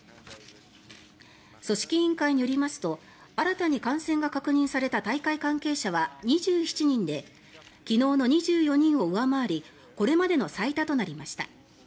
組織委員会によりますと新たに感染が確認された大会関係者は２７人で昨日の２４人を上回りこれまでの最多となりました。